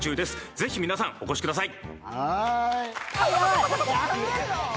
ぜひ皆さんお越しください。